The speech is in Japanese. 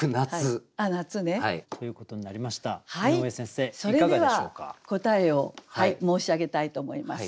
それでは答えを申し上げたいと思います。